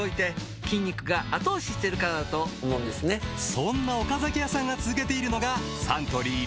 そんな岡崎屋さんが続けているのがサントリー「ロコモア」！